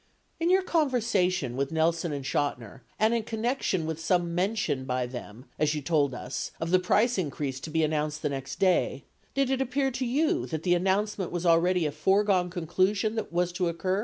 In your conversation with Nelson and Chot iner, and in connection with some mention by them, as you told us, of the price increase to be announced the next day, did it appear to you that that announcement was already a foregone conclusion, that was to occur!